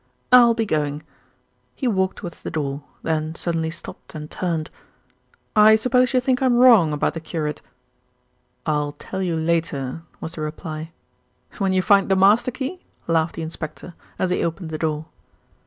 "Now I'll be going." He walked towards the door, then suddenly stopped and turned. "I suppose you think I'm wrong about the curate?" "I'll tell you later," was the reply. "When you find the master key?" laughed the inspector, as he opened the door.